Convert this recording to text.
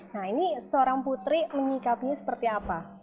nah ini seorang putri menyikapinya seperti apa